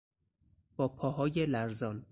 با پاهای لرزان